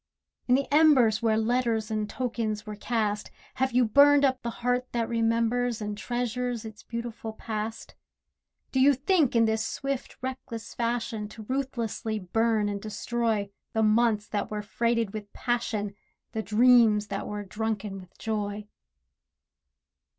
In the embers Where letters and tokens were cast, Have you burned up the heart that remembers, And treasures its beautiful past? Do you think in this swift reckless fashion To ruthlessly burn and destroy The months that were freighted with passion, The dreams that were drunken with joy?